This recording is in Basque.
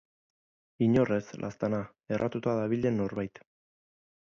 Inor ez, laztana, erratuta dabilen norbait.